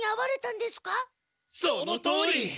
そのとおり！